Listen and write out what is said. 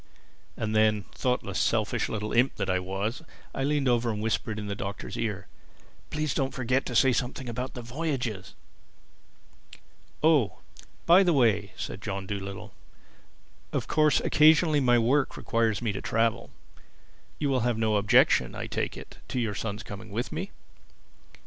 And then, thoughtless, selfish little imp that I was, I leaned over and whispered in the Doctor's ear, "Please don't forget to say something about the voyages." "Oh, by the way," said John Dolittle, "of course occasionally my work requires me to travel. You will have no objection, I take it, to your son's coming with me?"